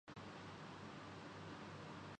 گرمئی رشک سے ہر انجمن گل بدناں